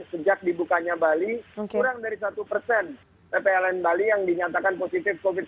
sejak dibukanya bali kurang dari satu persen ppln bali yang dinyatakan positif covid sembilan belas